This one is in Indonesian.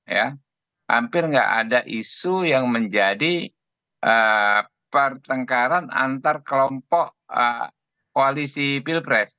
ya hampir nggak ada isu yang menjadi pertengkaran antar kelompok koalisi pilpres